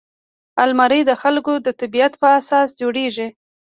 الماري د خلکو د طبعیت په اساس جوړیږي